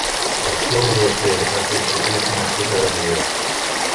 Artur Dorsé va ser un ciclista nascut a Granollers.